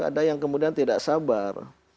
ada yang kemudian tidak sabar